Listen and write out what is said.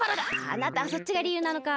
あなたはそっちがりゆうなのか。